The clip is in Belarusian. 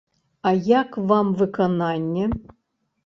А як вам выкананне?